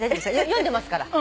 読んでますから。